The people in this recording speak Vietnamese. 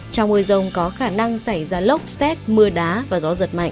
trong mưa rông có khả năng xảy ra lốc xét mưa đá và gió giật mạnh